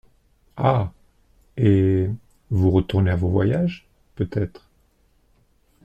Ah !… et … vous retournez à vos voyages, peut-être.